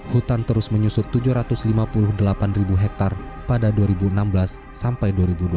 hutan terus menyusut tujuh ratus lima puluh delapan ribu hektare pada dua ribu enam belas sampai dua ribu dua puluh